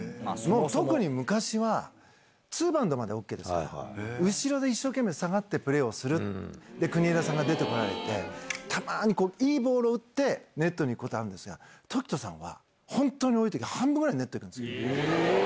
特に昔は、２バウンドまでＯＫですから、後ろで一生懸命下がってプレーをする、国枝さんが出てこられて、たまにいいボールを打って、ネットに行くことあるんですが、凱人さんは、本当に多いときは、半分ぐらいネットに行くんです。